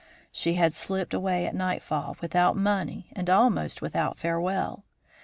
She had slipped away at nightfall without money and almost without farewell.